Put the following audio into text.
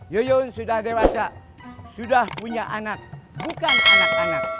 yuyun sudah dewasa sudah punya anak bukan anak anak